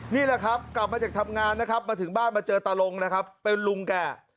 นี่แหละครับกลับมาจากทำงานนะครับมาถึงบ้านมาเจอตาลงนะครับเป็นลุงแก่